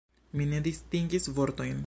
Mi ne distingis vortojn.